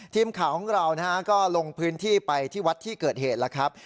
ทีมข่าวของเราก็ลงพื้นที่ไปที่วัดที่เกิดเหตุแล้วครับ